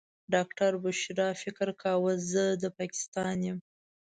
ډاکټره بشرا فکر کاوه زه د پاکستان یم.